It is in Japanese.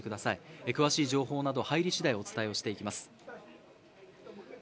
詳しい情報など入り次第お伝えしていきます。